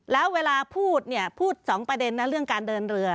แล้วเวลาพูดเนี่ยพูด๒ประเด็นนะเรื่องการเดินเรือ